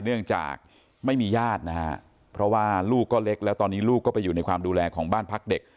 เนื่องจากไม่มีญาตินะฮะเพราะว่าลูกก็เล็กแล้วตอนนี้ลูกก็ไปอยู่ในความดูแลของบ้านพักเด็ก